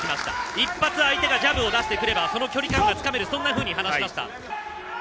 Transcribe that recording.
一発、相手がジャブを出してくれば、距離感がつかめると話しました。